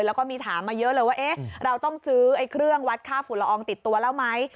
แล้วก็มีถามมาเยอะเลยว่าเราต้องซื้อเครื่องวัดค่าฝุ่นละอองติดตัวแล้วไหม